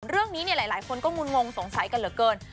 เรื่องนี้หลายคนก็งุ่นงงสงสัยกันเหลือเกิน